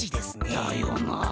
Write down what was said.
だよな。